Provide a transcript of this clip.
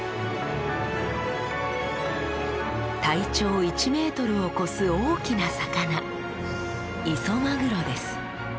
体長１メートルを超す大きな魚。